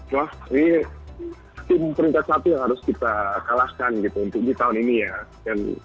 wah ini tim peringkat satu yang harus kita kalahkan gitu untuk di tahun ini ya